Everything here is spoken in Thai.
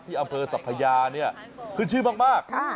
อำเภอสัพยาเนี่ยขึ้นชื่อมาก